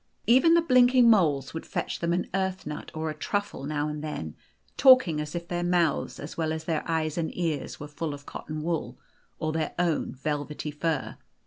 Even the blinking moles would fetch them an earth nut or a truffle now and then, talking as if their mouths, as well as their eyes and ears, were full of cotton wool, or their own velvety fur.